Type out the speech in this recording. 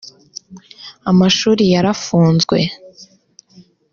Amashuri yarafunzwe